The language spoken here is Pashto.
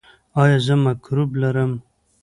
ایا زه مکروب لرم؟